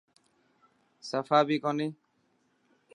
سفا بي ڪوني.